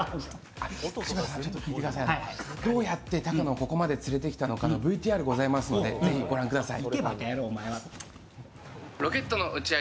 どうやって高野をここまで連れてきたのかのＶＴＲがありますのでご覧ください。